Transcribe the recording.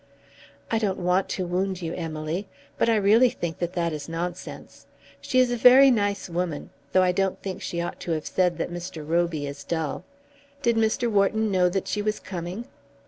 "I don't want to wound you, Emily, but I really think that that is nonsense. She is a very nice woman; though I don't think she ought to have said that Mr. Roby is dull. Did Mr. Wharton know that she was coming?"